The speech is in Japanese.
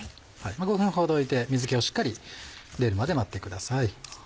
５分ほど置いて水気をしっかり出るまで待ってください。